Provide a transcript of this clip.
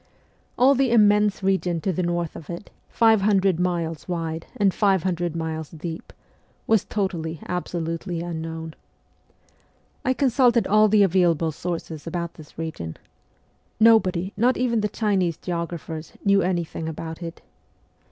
All the immense region to the north of it, five hundred SIBERIA 233 miles wide and five hundred miles deep, was totally, absolutely unknown. I consulted all the available sources about this region. Nobody, not even the Chinese geographers, knew anything about it.